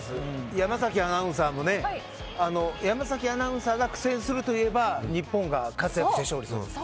山崎アナウンサーも山崎さんが苦戦すると言えば日本が活躍して勝利する。